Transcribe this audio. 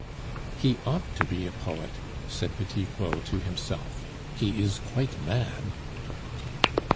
"He ought to be a poet" said Petit Claud to himself; "he is quite mad."